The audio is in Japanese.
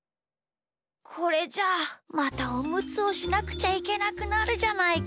これじゃあまたおむつをしなくちゃいけなくなるじゃないか。